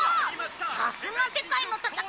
さすが世界の戦い。